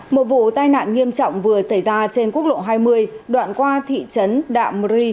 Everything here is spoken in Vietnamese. một vụ tai nạn nghiêm trọng vừa xảy ra trên quốc lộ hai mươi đoạn qua thị trấn đạm ri